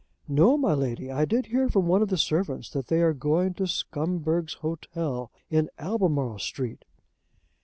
"No, my Lady. I did hear from one of the servants that they are going to Scumberg's Hotel, in Albemarle Street."